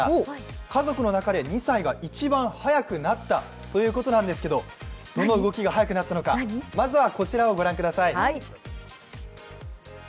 家族の中で２歳が一番速くなったということなんですけど、どの動きが速くなったのか、まずはこちらをご覧ください。